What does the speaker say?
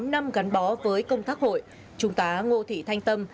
tám năm gắn bó với công tác hội chúng ta ngô thị thanh tâm